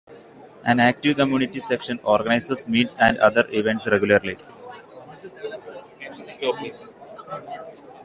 An active community section organises 'meets' and other events regularly.